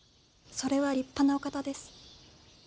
それは立派なお方です。